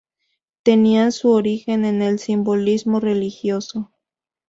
Tenían su origen en el simbolismo religioso.